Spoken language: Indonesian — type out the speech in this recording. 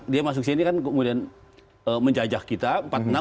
dia masuk sini kan kemudian menjajah kita